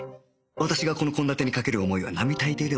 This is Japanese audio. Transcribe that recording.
私がこの献立にかける思いは並大抵ではない